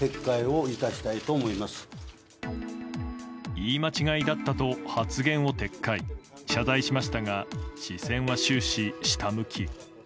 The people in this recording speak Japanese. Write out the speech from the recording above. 言い間違えだったと発言を撤回謝罪しましたが視線は終始、下向き。